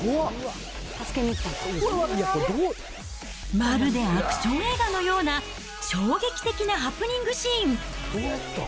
まるでアクション映画のような衝撃的なハプニングシーン。